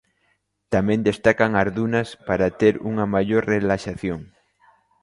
Tamén destacan as dunas para ter unha maior relaxación.